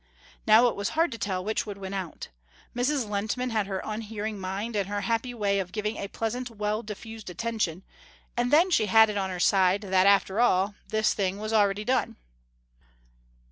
Now it was hard to tell which would win out. Mrs. Lehntman had her unhearing mind and her happy way of giving a pleasant well diffused attention, and then she had it on her side that, after all, this thing was already done.